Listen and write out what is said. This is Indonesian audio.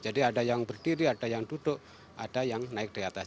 ada yang berdiri ada yang duduk ada yang naik di atas